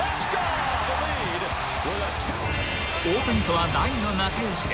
［大谷とは大の仲良しで］